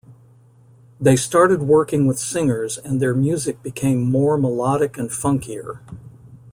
They started working with singers and their music became more melodic and funkier.